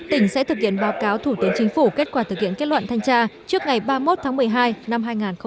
tỉnh sẽ thực hiện báo cáo thủ tướng chính phủ kết quả thực hiện kết luận thanh tra trước ngày ba mươi một tháng một mươi hai năm hai nghìn hai mươi